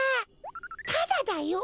タダだよ。